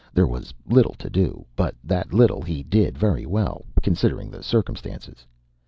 There was little to do, but that little he did very well, considering the circumstances.